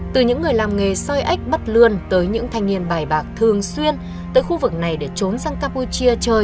từ những người làm nghề xoay ếch bắt lươn tới những thanh niên bài bạc thường xuyên tới khu vực này để trốn sang campuchia chơi